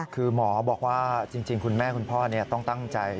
คือหมอบอกว่าจริงคุณแม่คุณพ่อต้องตั้งใจ